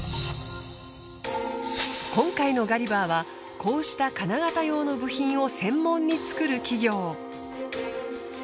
今回のガリバーはこうした金型用の部品を専門に作る企業。